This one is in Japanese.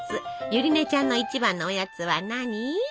ゆりねちゃんの一番のおやつは何？